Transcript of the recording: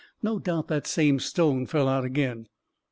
" No doubt that same stone fell out again